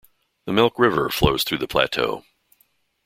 The Milk River flows through the plateau.